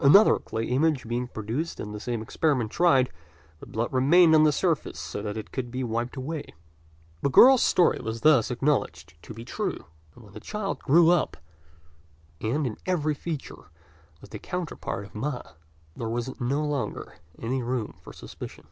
Another clay image being produced and the same experiment tried, the blood remained on the surface so that it could be wiped away. The girl's story was thus acknowledged to be true; and when the child grew up, and in every feature was the counterpart of Ma, there was no longer any room for suspicion.